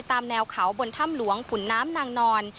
ตามแนวเขาบนถ้ำหลวงขุนน้ำนางนอน